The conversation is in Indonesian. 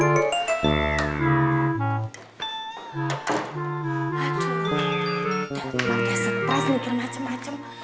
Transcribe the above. udah pake stress mikir macem macem